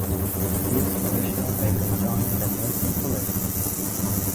These militia later joined the Maysan police.